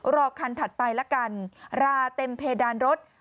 รอคันถัดไปละกันราเต็มเพดานรถ